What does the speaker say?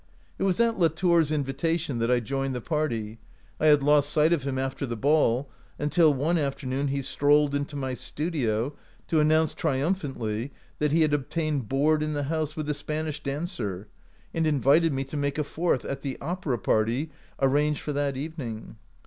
It was at Latour's invitation that I joined the party. I had lost sight of him after the ball, until one afternoon he strolled into my stu dio to announce triumphantly that he had obtained board in the house with the ' Span ish dancer/ and invited me to make a fourth at the opera party arranged for that even ing.